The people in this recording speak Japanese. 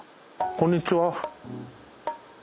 こんにちは。